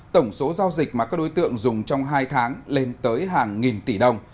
tổng số giao dịch mà các đối tượng dùng trong hai tháng lên tới hàng nghìn tỷ đồng